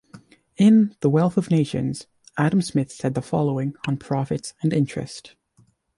In "The Wealth of Nations" Adam Smith said the following on profits and interest.